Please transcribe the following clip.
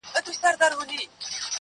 یار نوشلی یې په نوم دمیو جام دی،